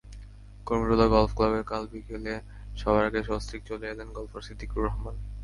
Kurmitola golf ক্লাবে কাল বিকেলে সবার আগে সস্ত্রীক চলে এলেন গলফার সিদ্দিকুর রহমান।